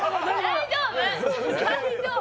大丈夫！